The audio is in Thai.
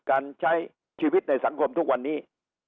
การใช้ชีวิตในสังคมทุกวันนี้